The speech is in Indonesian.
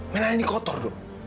mainan ini kotor duk